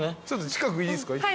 ちょっと近くいいすか？